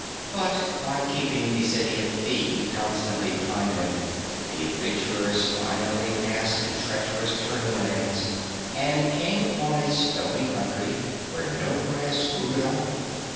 But by keeping the City of Thi constantly behind them, the adventurers finally passed the treacherous turning lands and came upon a stony country where no grass grew at all.